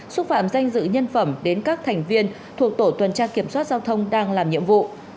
xúc phạm danh dự nhân phẩm đến các thành viên thuộc tổ tuần tra kiểm soát giao thông đang làm nhiệm vụ